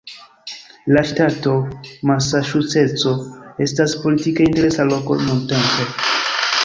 La ŝtato Masaĉuseco estas politike interesa loko nuntempe.